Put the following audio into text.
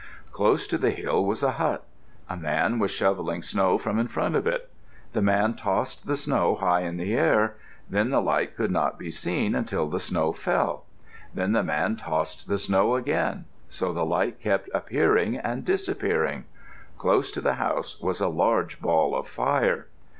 Close to the hill was a hut. A man was shovelling snow from in front of it. The man tossed the snow high in the air; then the light could not be seen until the snow fell. Then the man tossed the snow again. So the light kept appearing and disappearing. Close to the house was a large ball of fire.